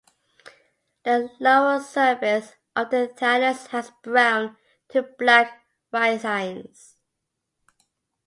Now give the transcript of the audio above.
The lower surface of the thallus has brown to black rhizines.